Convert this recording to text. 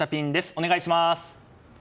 お願いします。